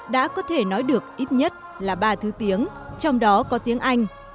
đã có thể nói được ít nhất là ba thứ tiếng trong đó có tiếng anh